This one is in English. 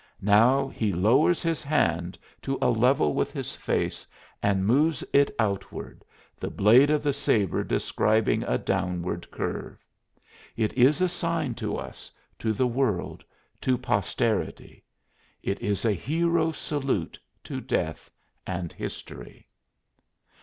Now he lowers his hand to a level with his face and moves it outward, the blade of the sabre describing a downward curve. It is a sign to us, to the world, to posterity. It is a hero's salute to death and history.